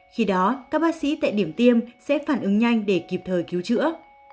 khi đó các bác sĩ tại điểm tiêm sẽ phản ứng nhanh để kịp thời cứu chữa